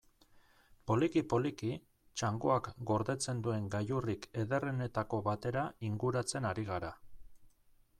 Poliki-poliki, txangoak gordetzen duen gailurrik ederrenetako batera inguratzen ari gara.